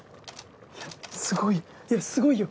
いやすごいいやすごいよ。